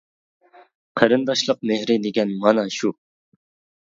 قېرىنداشلىق مېھرى دېگەن مانا شۇ!